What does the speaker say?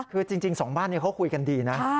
คือจริงสองบ้านนี้เขาคุยกันดีนะ